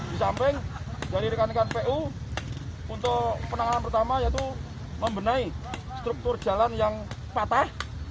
di samping dari rekan rekan pu untuk penanganan pertama yaitu membenahi struktur jalan yang patah